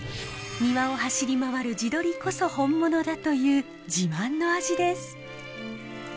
庭を走り回る地鶏こそ本物だという自慢の味です。